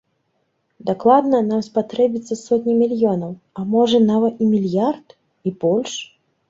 Дакладна, нам спатрэбяцца сотні мільёнаў, а можа нават і мільярд, і больш.